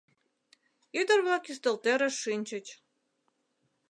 Ӱдыр-влак ӱстелтӧрыш шинчыч.